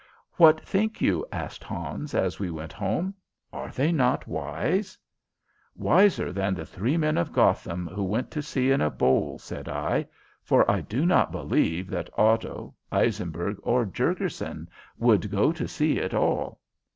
"What think you?" asked Hans, as we went home? "Are they not wise?" "Wiser than the Three Men of Gotham who went to sea in a bowl," said I, "for I do not believe that Otto, Eisenberg, or Jurgurson would go to sea at all."